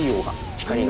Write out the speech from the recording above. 光が。